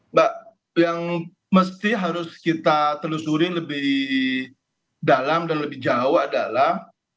mbak yang mesti harus kita telusuri lebih dalam dan lebih jauh adalah